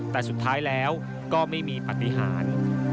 แต่สุดท้ายแล้วก็ไม่มีปฏิหาร